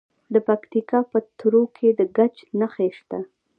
د پکتیکا په تروو کې د ګچ نښې شته.